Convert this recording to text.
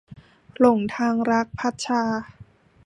หลงทางรัก - พัดชา